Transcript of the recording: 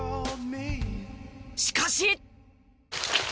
しかし。